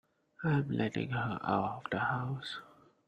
I'm letting her out of the house.